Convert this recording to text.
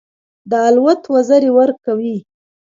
د الوت وزرې ورکوي.